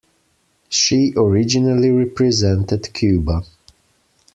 She originally represented Cuba.